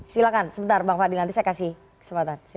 silahkan sebentar bang fadil nanti saya kasih kesempatan